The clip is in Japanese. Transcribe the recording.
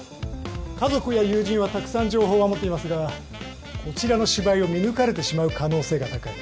家族や友人はたくさん情報は持っていますがこちらの芝居を見抜かれてしまう可能性が高い。